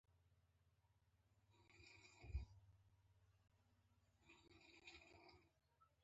دا کار د متحدو ایالتونو تایید هم له ځانه سره ولري.